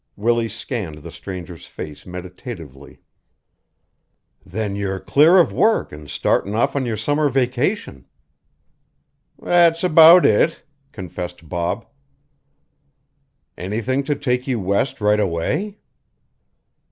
Willie scanned the stranger's face meditatively. "Then you're clear of work, an' startin' off on your summer vacation." "That's about it," confessed Bob. "Anything to take you West right away?"